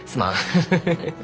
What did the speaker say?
フフフフフ。